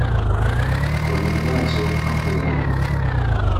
Colinda al sur con Finlandia.